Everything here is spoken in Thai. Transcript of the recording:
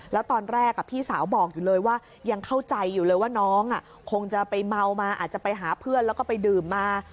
แล้วตอนแรกพี่สาวบอกอยู่เลยว่ายังเข้าใจอยู่เลยว่าน้องคงจะไปเมามาอาจจะไปหาเพื่อนแล้วก็ไปดื่มมา